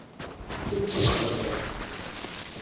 Kkes taberriḍt-ik.